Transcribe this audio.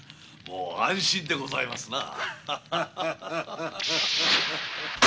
もう安心でございますな。